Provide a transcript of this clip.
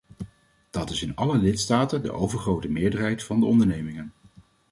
Dat is in alle lidstaten de overgrote meerderheid van de ondernemingen.